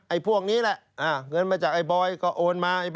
พวกนี้แหละเงินมาจากไอ้บอยก็โอนมา